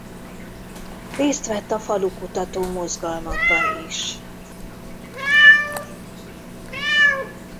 Részt vett a falukutató mozgalmakban is.